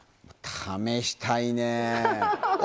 試したいねああ